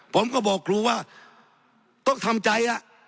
ผมก็บอกครูว่าต้องทำใจ